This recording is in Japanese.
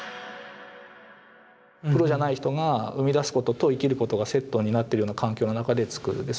プロじゃない人が生みだすことと生きることがセットになってるような環境の中で作る。